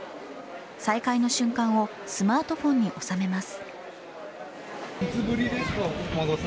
再会の瞬間をスマートフォンに納めます。